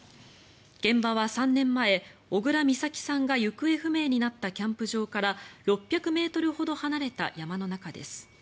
現場は３年前、小倉美咲さんが行方不明になったキャンプ場から６００ｍほど離れた山の中です。